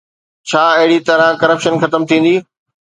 ڇا اهڙي طرح ڪرپشن ختم ٿيندي؟